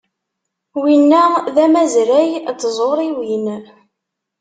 Winna d amazray n tẓuriwin.